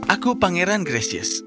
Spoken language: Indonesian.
aku pangeran gracious